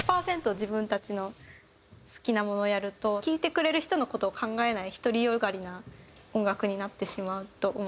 自分たちの好きなものをやると聴いてくれる人の事を考えない独りよがりな音楽になってしまうと思ってて。